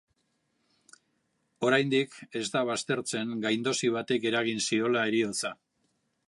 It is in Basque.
Oraindik ez da baztertzen gaindosi batek eragin ziola heriotza.